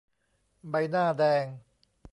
ใบหน้าแดง